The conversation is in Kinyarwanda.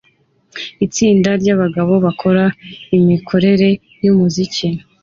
Itsinda ryabagabo bakora kumikorere yumuziki